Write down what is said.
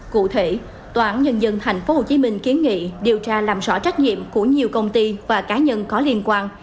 cụ thể tòa án nhân dân tp hcm kiến nghị điều tra làm rõ trách nhiệm của nhiều công ty và cá nhân có liên quan